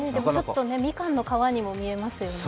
みかんの皮にも見えますよね。